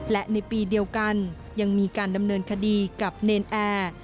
และในปีเดียวกันยังมีการดำเนินคดีกับเนรนแอร์